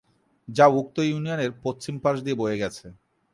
যা উক্ত ইউনিয়নের পশ্চিম পাশ দিয়ে বয়ে গেছে।